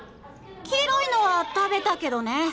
黄色いのは食べたけどね。